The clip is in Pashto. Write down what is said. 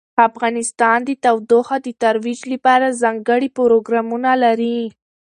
افغانستان د تودوخه د ترویج لپاره ځانګړي پروګرامونه لري.